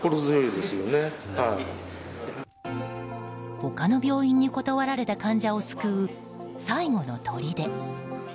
他の病院に断られた患者を救う最後のとりで。